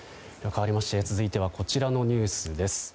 かわりまして続いてはこちらのニュースです。